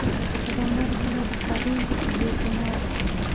د دوامدار حل او د ښاري زېربناوو